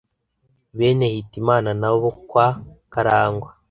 Bene Hitimana N’abo kwa Karangwa